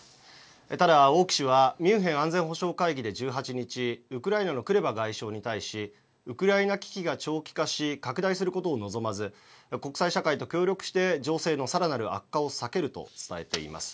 ただ、王毅氏はミュンヘン安全保障会議で１８日ウクライナのクレバ外相に対しウクライナ危機が長期化し拡大することを望まず国際社会と協力して情勢のさらなる悪化を避けると伝えています。